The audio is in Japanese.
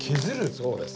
そうです。